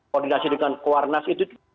koordinasi dengan kuarnas itu